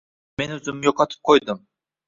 “Men o‘zimni yo‘qotib qo‘ydim”.